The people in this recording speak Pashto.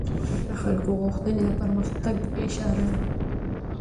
د خلکو غوښتنې د پرمختګ اشاره ده